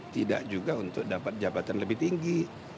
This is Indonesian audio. tidak juga untuk dapat jabatan lebih tinggi